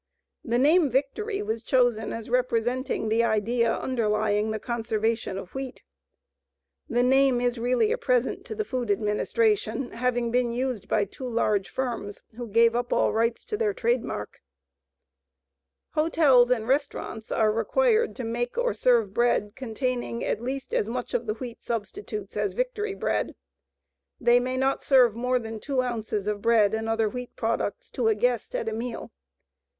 The name "Victory" was chosen as representing the idea underlying the conservation of wheat. The name is really a present to the Food Administration, having been used by two large firms who gave up all rights to their trade mark. Hotels and restaurants are required to make or serve bread containing at least as much of the wheat substitutes as Victory bread. They may not serve more than two ounces of bread and other wheat products to a guest at a meal.